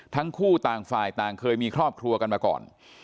ทั้งคู่ต่างฝ่ายต่างเคยมีครอบครัวกันมาก่อน